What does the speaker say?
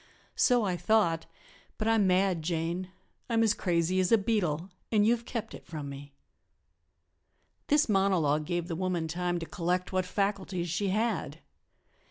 So I thought, but I'm mad, Jane, I'm as crazy as a beetle; and you have kept it from me." This monologue gave the woman time to collect what faculties she had.